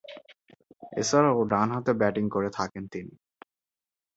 এছাড়াও ডানহাতে ব্যাটিং করে থাকেন তিনি।